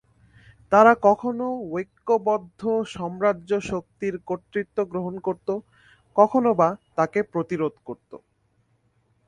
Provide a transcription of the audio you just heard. তারা কখনও ঐক্যবদ্ধ সাম্রাজ্য শক্তির কর্তৃত্ব গ্রহণ করত, কখনও বা তাকে প্রতিরোধ করত।